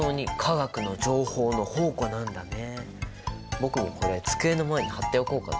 僕もこれ机の前に貼っておこうかな。